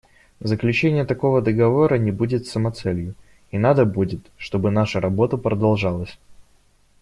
Заключение такого договора не будет самоцелью; и надо будет, чтобы наша работа продолжалась.